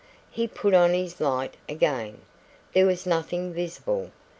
He put on his light again. There was nothing visible.